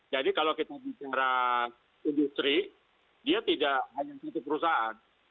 jadi kalau kita bicara industri dia tidak hanya satu perusahaan